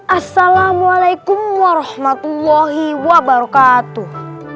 assalamualaikum warahmatullahi wabarakatuh